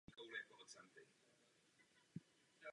Stojí zde malý pivovar.